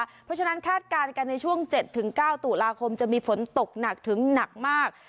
เพราะฉะนั้นคาดการณ์กันในช่วง๗๙ตุลาคมจะมีฝนตกหนักถึงหนักมาก